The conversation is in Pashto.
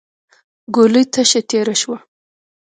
ګولۍ تشه تېره شوه.